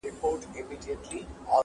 دواړي تلي مي سوځیږي په غرمو ولاړه یمه-